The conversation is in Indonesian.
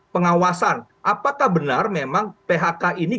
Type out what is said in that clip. pengawasan apakah benar memang phk ini